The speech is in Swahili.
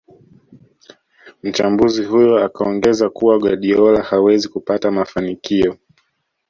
Mchambuzi huyo akaongeza kuwa Guardiola hawezi kupata mafanikio